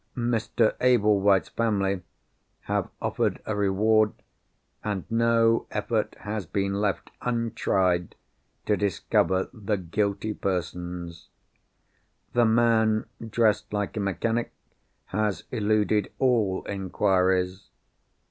Mr. Ablewhite's family have offered a reward, and no effort has been left untried to discover the guilty persons. The man dressed like a mechanic has eluded all inquiries.